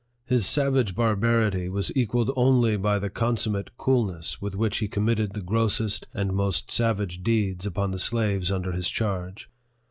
His savage barbarity was equalled only by the con summate coolness with which he committed the grossest and most savage deeds upon the slaves under his charge.